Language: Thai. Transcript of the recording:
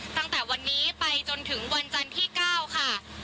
ตั้งแต่วันนี้ไปจนถึงวันจันทร์ที่๙ค่ะ